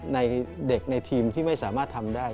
ในเด็กในทีมที่ไม่สามารถทำได้